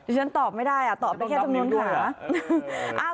ฉันตอบไม่ได้ตอบไปแค่จำนวนขา